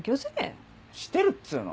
してるっつうの。